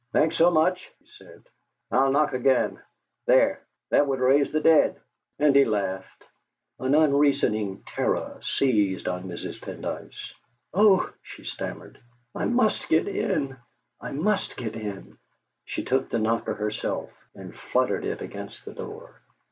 "Thanks so much!" he said. "I'll knock again. There! that would raise the dead!" And he laughed. An unreasoning terror seized on Mrs. Pendyce. "Oh," she stammered, "I must get in I must get in!" She took the knocker herself, and fluttered it against the door.